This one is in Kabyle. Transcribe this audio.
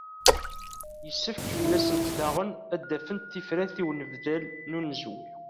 Yessefk fell-asent daɣen ad d-afent tifrat i unbeddal n unezwi.